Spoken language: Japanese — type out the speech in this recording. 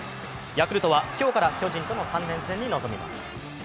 ヤクルトは今日から巨人との３連戦に臨みます。